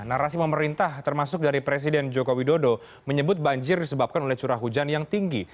narasi pemerintah termasuk dari presiden joko widodo menyebut banjir disebabkan oleh curah hujan yang tinggi